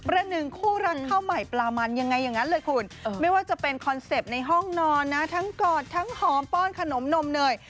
ระหนึ่งคู่รักข้าวใหม่ปลามันยังไงอย่างนั้นเลยคุณไม่ว่าจะเป็นคอนเซ็ปต์ในห้องนอนนะทั้งกอดทั้งหอมป้อนขนมนมเนย